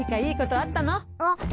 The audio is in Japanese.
あっ。